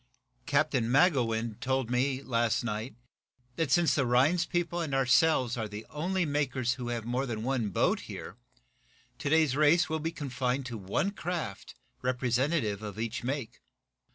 "Captain Magowan told me, last night, that, since the Rhinds people and ourselves are the only makers who have more than one boat here, today's race will be confined to one craft representative of each make.